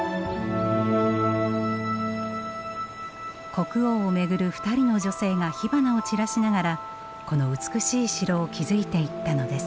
国王を巡る２人の女性が火花を散らしながらこの美しい城を築いていったのです。